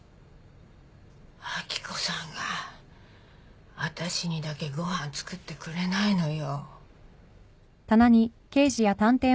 明子さんが私にだけご飯作ってくれないのよ。